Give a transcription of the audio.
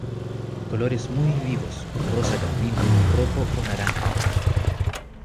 Colores muy vivos rosa carmín, rojo o naranja.